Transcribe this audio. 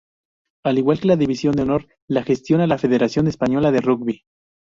Al igual que la División de Honor, la gestiona la Federación Española de Rugby.